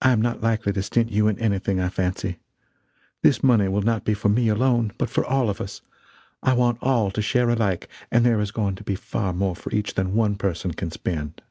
I am not likely to stint you in anything, I fancy. This money will not be for me, alone, but for all of us. I want all to share alike; and there is going to be far more for each than one person can spend.